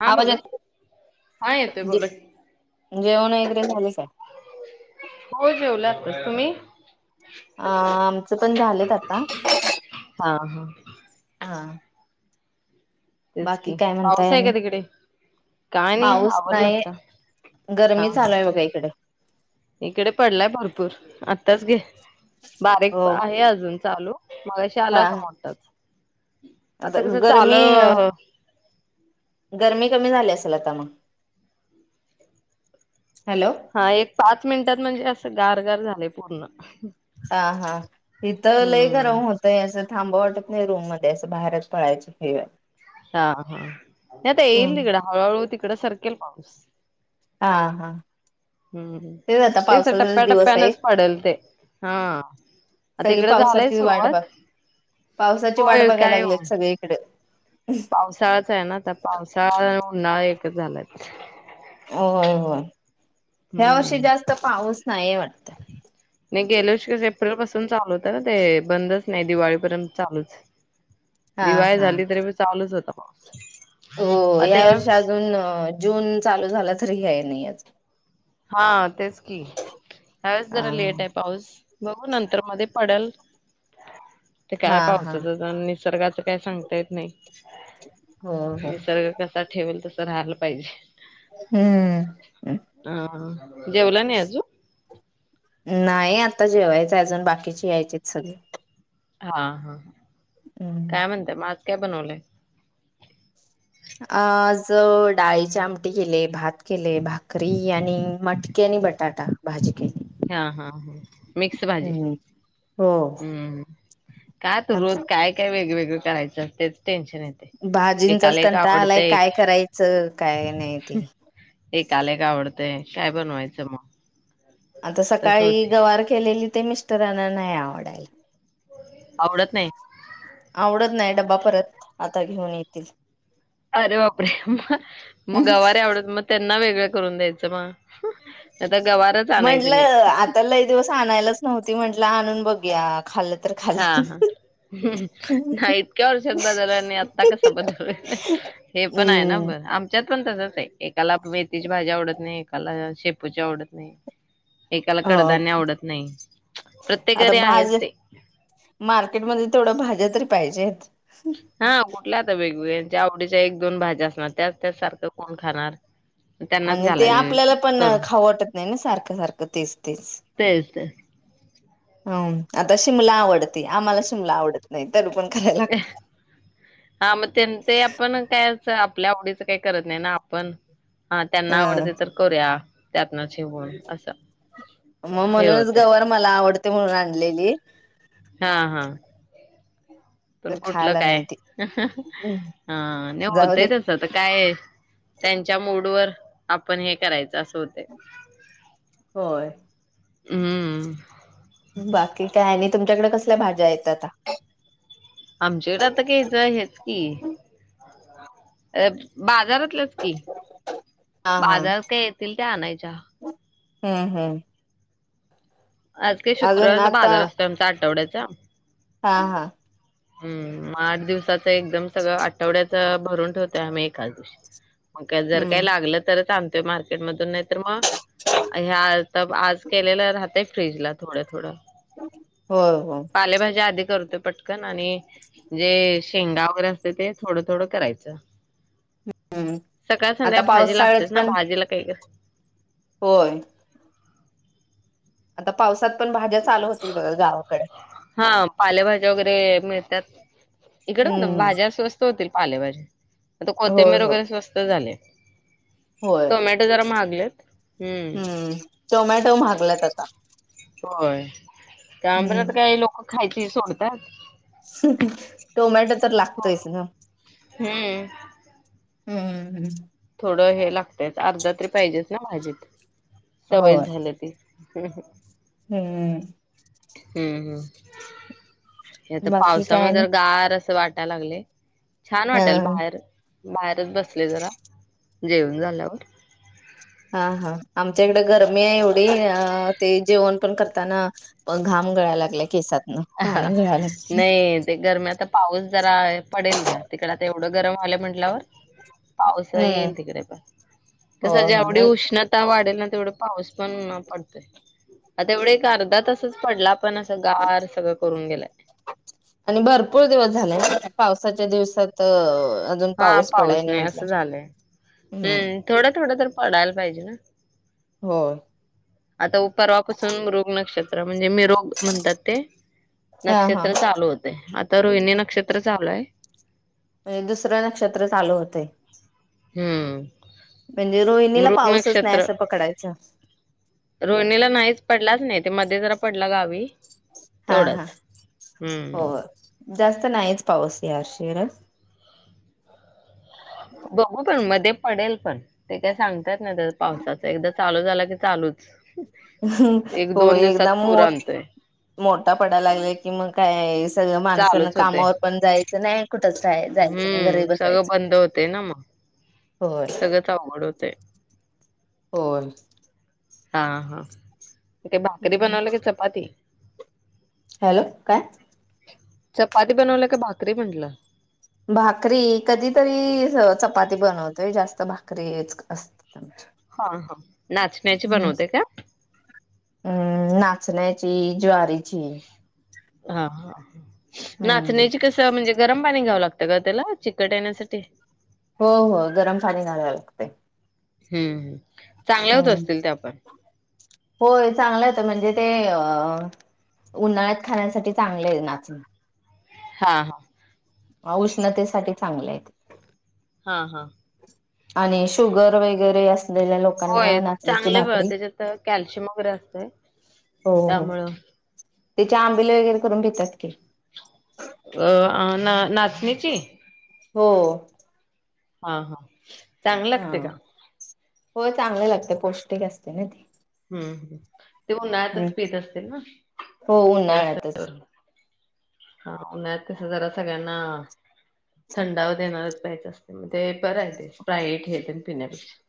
हा आवाज बोला येतोय हा [inaudible] येतोय काय जे बोला जेवण वगैरे झाले काय. हो जेवला तुम्ही अ आमचं पण झालंत आता हा हा [inaudible] हा. तेच बाकी कि काय म्हणताय पाऊस आहे का आणि तिकडे काय नाही पाऊस आवरलं नाही आता हा गरमी ह. चालू आहे बघा इकडे इकडे पडलाय भरपूर आत्ताच घे हो बारीक आहे. अजून चालू. मगाशी हा आला होता मोठाच आता कसं चालू गरमी गरमी कमी झाल्यास चल आता म हा एक पाच मिनिटात म्हणजे अस. गारगार झालय पूर्ण. हा हा तिथ लय गरम हम्म होतय असं. थांबाव वाटत नाही रूममध्ये. असं बाहेरच पळायच [unintelligible] हा हा आता येल कड हळूहळ ती इकंडे सरकेल पाऊस. हा हा हम्म ते आता तेच पावसाचे टप्प्या दिवस आहे त. टप्प्यानच पडेल ते हा आता सगळी इकडे झालंय पावसाची वाट बघ, सुरुवात पावसाची वाट होय बघायला काय हो लागलीत सगळीकडे पावसाळाच आहे ना? तर पावसाळा उन्हाळा- एक झालंच- होय होय. ह्या वर्षी हम्म जास्त पाऊस नाहीय वाटत? गेले वर्षी एप्रिल पासून चालू होत ना ते? बंदच नाही, दिवाळीपर्यंत चालूच- हा दिवाळी हा झाली तरी बी चालूच होता. पाऊस हो -या वर्षी अजून- जून चालू झाला तरी, यायला नाही अजून- हा- तेच- या वेळेस जरा लेट आहे हा पाऊस. बघू नंतर मध्ये पडेल. ते काय हा पावसाच [unintelligible] निसर्गाचं काय सांगता येत नाही. हो हो निसर्ग कसा- ठेवल तसं राहाला पाहिजे- हम्मम्. हा. जेवला नाही आजून? नाही, आत्ता जेवायच. ते अजून बाकीचे यायचेत. सगळे- हा हा. काय म्हणते? माझ- काय बनवलय? आज डाळीचे आमटी केलिये, भात केलय, भाकरी आणि- मटकी आणि बटाटा भाजी केली. हा हा हा. मिक्स भाजी. हम्म हो हम्म- काय तू, रोज आता काय काय वेगवेगळे- करायचं अस- भाजींचाच कंटाळ आलाय एक काय करायचं काय नाही ते. एकाला एक आवडतेय काय बनवायचं मग. आता तसं सकाळी होते गवारी केलेली. ते मिस्टरांना नाही आवडायला. आवडत नाही. आत्ता घेऊन येतील. अरे बापरे मग, मग गावारे आवडत मग त्यांना वेगळं. करून द्यायचं मग. आता गवारच आणायची नाही म्हंटलं आता लई दिवस आणायलाच नव्हती म्हंटल. म्हटलं आणून बघूया खाल्ल तर. हा खाल्लं. हा, हम्म हा इतक्या वर्षात बदल आणि आता कस बदललेलं हे पण आहे ना हम्म. बर आमच्यात पण तसंच. एकाला मेथीची भाजी आवडत नाही, एकाला शेपूची आवडत नाही एकाला हो कडधान्य आवडत नाही प्रत्येक आता घरी आहेच भाज्या ते मार्केटमध्ये तेवढ्या भाज्या तरी पाहिजे हा कुठले आता वेग-वेगळे ज्या आवडीच्या एक, दोन भाज्या असणार त्याच-त्याच सारखं कोण खाणार? त्यांनाच आणि ते घालावी आपल्याला पण करून खाऊ वाटत नाही ना सारखं सारखं तेच तेच तेच तेच हम आता शिमला आवडते आम्हाला शिमला आवडत नाही तरी पण करायला लागते. हा मग तेन ते आपणच काय सगळ आपल्या आवडीचं काही करत नाही ना आपण हा त्यांना अ आवडते तर करुया त्यातंन हे हून असं मग हे म्हणूनच होते गवार मला आवडते म्हणून आणलेली हा हा तर पण कुठलं खायला काय, नाही ती. ह ह, हा ते जाऊ होतय दे तस आता काय त्यांच्या मूडवर आपण हे करायचं असं होतंय. होय. हम्म बाकी काय आणि तुमच्याकडे कस. कसल्या भाज्या आहेत आता. आमच्याकडे आता आ बाजारातल्याच की. हा हा बाजारात काय येतील त्या आणायच्या. हम्म हम्म आज काही अजून शुक्रवारचा आता बाजार असतोय आमचा आठवड्यात. जा. हा हा. हम्म म आठ दिवसात. च एकद सगळ आठवड्यात. च भरून ठेवोय आम्ही एकाद दिवशी मग काय जर काय हम्म लागलं तर काम ते मार्केटमधून येत. तर म घ्या तब आज केलेलं राहते. फ्रिजला थोडे थोड. होय हो पालेभाज्या आधी करतो. पटक पण आणि जे शेंगा वगैरे असते ते थोडं थोडं करायचं. हम्म सकाळ आता संध्या भाजी पावसाळ्यात लागतेच ना पण भाजीला काही होय. आता पावसात पण भाज्याच हा पालेभाज्या वगैरे मिळ त्यात इकड न हम्म भाज्या स्वस्त होतील. पालेभाज्या आता होय कोथिंबीर हो वगैरे स्वस्त झाले. होय टोमॅटो जरा महागलेत. हम्म टोमॅटो महागलात आता. होय. कांबरत हम्म काही लोक खायची ते सोडतात. टोमॅटो तर लागतोयेच ना, हम्म. अ हम्म. थोड हे लागतेत आर्ध्या तरी पाहिजेच ना भाजीत. हो सवय झालं ती. [unintelligible] हम्म. हम्म हम्म. हे त बाकी काय पावसामुळे आणि जर गार असं वाट काय लागले. छान अ वाटल बाहेर. बाहेरच बसले जरा. जेऊन झाल्यावर हा हा आमच्या इकडे गरमी आहे एवढी, अ ते जेवण पण करताना घाम गळाय लागलाय केसात. आहा नाही ते गरम्यात पाऊस जरा पडेल घ्या, तिकड एवढं गरम झालं म्हंटल्यावर. पाऊस हम्म येईल तिकडे पण, हो कसं जेवढी हो उष्णता वाढेल तेवढा पाऊस पण पडतोय. आता एवढा एक अर्धा तासच पडला पण असं गार सगळं करून गेलाय. आणि भरपूर दिवस झाले पाऊस सद्या दिवसात अजून हा, पाऊस पडायने नाही असं म्हटल्यावर झालंय. हम्म हं थोडं थोडं तर पडायला पाहिजे ना. होय आता परवा पासून मृग नक्षत्र म्हणजे मी मृग म्हणतात ते. हा हा नक्षत्र चालू होतय, आता रोहिणी नक्षत्र चालू आहे. म्हणजे दुसरं नक्षत्र चालू [inaudible] हम्म. म्हणजे रोहिणीला मृग पाऊसच नाही नक्षत्र असं पकडायचं. रोहिणीला नाहीच पडलाच नाही ते मध्ये जरा पडला गावी. हा हा तेवढंच. हो हम्म जास्त नाहीच पाऊस या वर्षी बघू पण मध्ये पडेल पण ते काय सांगता येत नाही पावसाच एकदा चालू झाला की चालूच. एक हो दोन दिवसात एकदम पूर मो आणतोय मोठा, पडायला लागला की मग काय सगळ माणसांना चालूच होते. कामावर पण जायचं नाही, कुठच जायचं नाही हम्म घरीच सगळं बसायच जायच. बंद होते ना मग होय सगळंच अवघड होते. होय हा ही भाकरी बनवल की चपाती. हॅलो काय? चपाती बनवलं का भाकरी म्हटलं. भाकरी. कधीतरी चपाती बनवतोय जास्त भाकरीच अस हा हा नाचणीची बनविता का? हा नाचण्याची, ज्वारीची हा हा हम्म नाचण्याचे कसं म्हणजे गरम पाणी घ्यावं लागतं ग त्याला, चिकट येण्यासाठी. हो हो गरम पाणी घालावं लागते. हम्म चांगल्या होत हम्म असतील त्या पण. होय चांगलं आहे तर म्हणजे ते अं उन्हाळ्यात खाण्यासाठी चांगले आहे नाचण. हा. हा. उष्णतेसाठी चांगलं आहे. हा हा. आणि शुगर वगैरे अस होय चांगले फळ त्याच्यात कॅल्शियम वगैरे असतय त्यामुळं. त्याच्या आंबिले वगैरे करून देतात की, अ ना नाचणीची हो. हा हा. होय चांगला लागते पौष्टिक ते ते ना हम्म हम्. ते ते उन्हाातच पेत असतील ना हो जास्त उन्हाळ्यातच उन्हाळ्यात कसं जरा सगळ्यांना. थंडा हो देणार. ते बराय स्प्राईट तेन पिण्यापेक्षा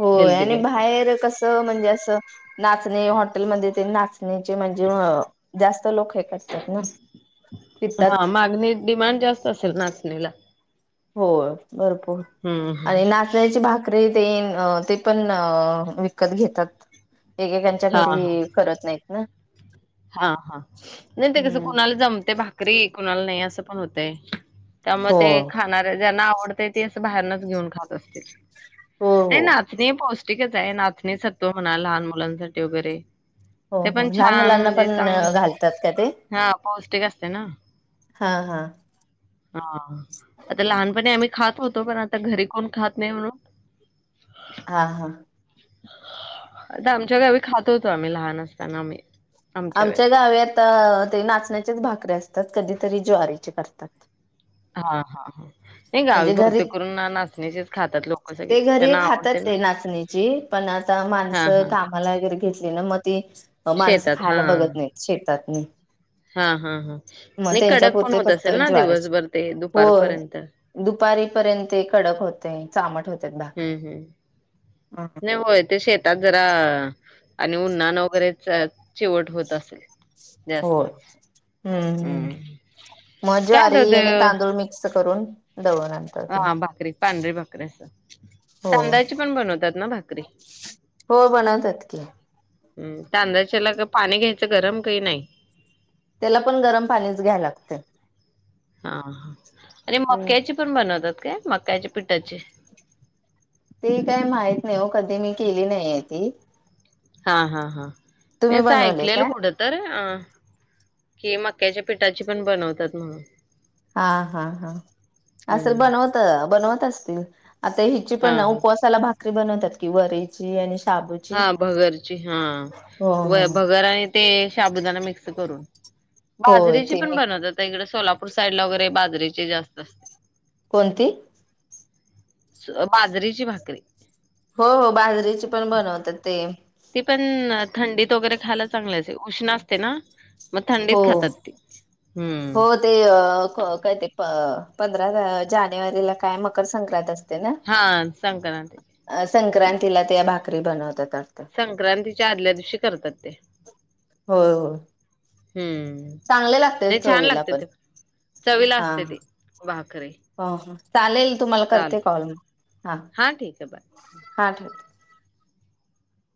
होय हेल्दी आणि काहीतर. बाहेर कस म्हणजे असं नाचणे हॉटेलमध्ये ते नाच. म्हणजे म्हणजे मग जास्त [unintelligible] हा पितात मागणी डिमांड जास्त असेल ना. आपलेला. हो. भरपूर हं. आणि नाचण्याची भाकरी ते ते पण विकत घेतात. एकेकांच्या घरी करत नाहीत ना. हा हा नाही ते तिथं हम्म कोणाला जमतंय बा घरी कुणाला नाही असं पण होतय. त्यामुळे हो ते खाणाऱ्या ज्यांना आवडते ती. बाहेरूनच घेऊन खात असतील. हो ती हो नाचणे पौष्टिक ती कसाय नाचणी सत्व म्हणा लहान मुलांसाठी वगैरे हो ते हो पण लहान छान मुलांना म्हणजे पण चांगलं घालतात का ते हां, पौष्टिक असतय ना हा हा हा आता लहानपणी आम्ही खात होतो पण आता घरी कोण खात नाही म्हणून हा हा आता आमच्या गावी खातो होतो आम्ही लहान असताना आम्ही आमच्या गावी आता ते नाचण्याचेच भाकरीे असतात कधीतरी ज्वारीची करतात. हा हा हा गावी म्हणजे घरी बहुतेक करून नाचण्याचेच खातात लोक ते घरी खातात ते नाचणीची पण आता हां, माणसं हां. कामाला घेतली ना म ते माणसं शेतात खायला बघत हां. नाहीत शेतात ह हां, हां, हां. मग नाही त्यांच्या कडक पण पुरते होत फक्त असेल ना ज्वारीच दिवसभर ते होय दुपारपर्यंत. दुपारी पर्यंत कडक होतय. चामट होतात भाकरी हम्म हम्म नाही होय ते शेतात जरा आणि उन्् [unintelligible] हण वगैरे चिवट होत असेल होय जास्तच. हम्म् हं. मग ज्वारी आणि तांदूळ मिक्स करून दळून आणतात ते हा भाकरी पांढरी भाकरी अस हो तांदळाची पण बनवतात ना भाकरी हो बनवतात की हम तांदळाच्याला पाणी घ्यायचं गरम काही नाही. त्याला पण गरम पाणीच घ्यायला लागतय हा हा आणि मक्याची पण बनवतात का? मक्याच्या पिठाची ते काय माहित नाही हो कधी मी केली नाहीय ती हा हा हा हे तुम्ही अस बनवले काय [unintelligible] कुठं तर अ कि मक्याच्या पिठाची पण बनवतात म्हणून हा हा हा असेल हम्म बनवत बनवतच ते आता हिची पण हा ना हा उपवासाला भात बनवतात की वरी ची आणि हा शाबूची. भगरची हा हो हो. व भगर आणि ते शाबुदाना मिक्स करून, होय बाजरीची ते पण मी बनवतता इकड सोलापूर साईड ला वगैरे बाजरीची जास्त असते. कोणती बाजरीची भाकरी. हो हो बाजरीेची. पण बनवतात ते ती पण थंडीत वगैरे खायला चांगल आहेत. उष्ण असते ना मग थंडीत हो खातात ती हम्म हो ते अ काय ते पंधरा जानेवारीला काय मकर संक्रांत असते. हा संक्रांत अ संक्रांतीला त्या भाकरी भाकरी बनवतात. वाटतं. संक्रांतीच्या आदल्या दिवशी करतात ते. हो हो. हम्म नाही छान चवीला लागते पण ते चवीला हा. असते ते भाकरीे. हा हा. चालेल. तुम्हाला करते कॉल म हा ठीक आहे बाय हा ठेवा.